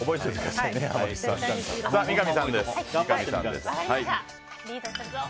さあ、三上さんです。